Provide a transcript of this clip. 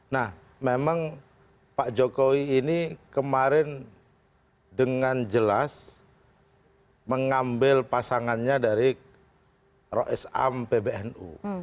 nah memang pak jokowi ini kemarin dengan jelas mengambil pasangannya dari rois am pbnu